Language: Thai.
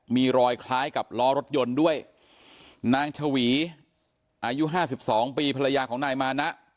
มีรอยคล้ายกับล้อรถยนต์ด้วยนางชวีอายุห้าสิบสองปีภรรยาของนายมานะ